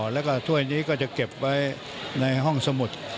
แล้วก็ถ้วยนี้ก็จะเก็บไว้ในห้องสมุด